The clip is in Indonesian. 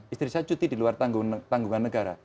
istri saya cuti di luar tanggungan negara